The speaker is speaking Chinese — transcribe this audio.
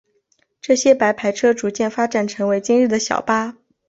这些白牌车逐渐发展成为今日的小巴。